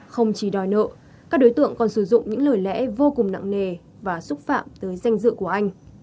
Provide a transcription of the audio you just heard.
không chỉ đòi nợ các đối tượng còn sử dụng những lời lẽ vô cùng nặng nề và xúc phạm tới danh dự của anh